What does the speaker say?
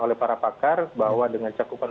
oleh para pakar bahwa dengan cakupan